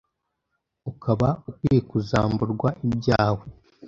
ukaba ukwiye kuzamburwa ibyawe